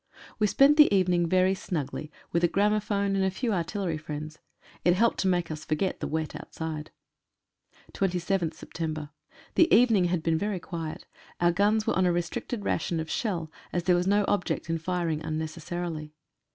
We spent the evening very snugly, with a gramo phone and a few artillery friends. It helped to make us forget the wet outside. 27th Sept.— The evening had been very quiet. Our guns were on a restricted ration of shell, as there was no object in firing unnecessarily.